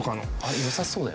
よさそうだよ。